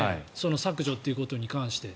削除ということに関して。